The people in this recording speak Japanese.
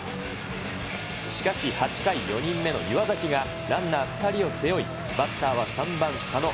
しかし８回、４人目の岩崎が、ランナー２人を背負い、バッターは３番佐野。